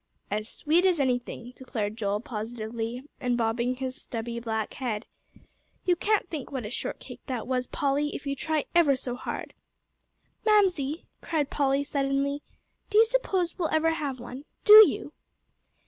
"As sweet as anything," declared Joel, positively, and bobbing his stubby black head. "You can't think what a shortcake that was, Polly, if you try ever so hard." "Mamsie," cried Polly, suddenly, "do you suppose we'll ever have one? Do you?"